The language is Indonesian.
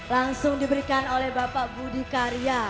langsung diberikan oleh bapak budi karya